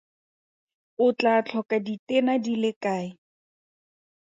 O tla tlhoka ditena di le kae?